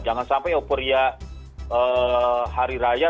jangan sampai operia hari raya